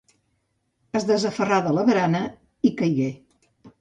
Es desaferrà de la barana i caigué.